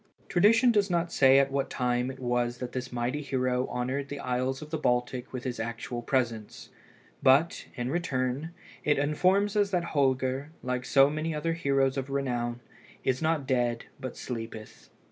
Tradition does not say at what time it was that this mighty hero honoured the isles of the Baltic with his actual presence, but, in return, it informs us that Holger, like so many other heroes of renown, "is not dead, but sleepeth."